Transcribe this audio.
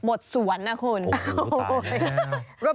หมดสวนนะคุณโอ้โฮตายแล้วโอ้โฮโอ้โฮตายแล้ว